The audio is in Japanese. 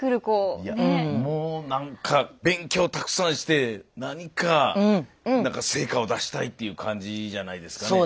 もう何か勉強たくさんして何か成果を出したいっていう感じじゃないですかね。